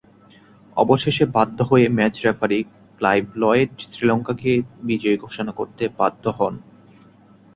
অবশেষে বাধ্য হয়ে ম্যাচ রেফারি ক্লাইভ লয়েড শ্রীলঙ্কাকে বিজয়ী ঘোষণা করতে বাধ্য হন।